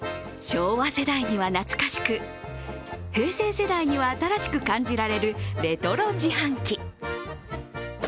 昭和世代には懐かしく、平成世代には新しく感じられるレトロ自販機。